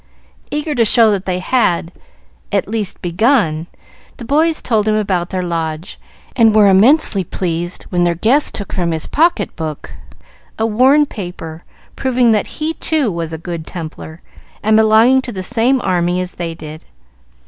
Eager to show that they had, at least, begun, the boys told him about their Lodge, and were immensely pleased when their guest took from his pocket book a worn paper, proving that he too was a Good Templar, and belonged to the same army as they did.